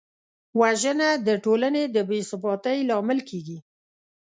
وژنه د ټولنې د بېثباتۍ لامل کېږي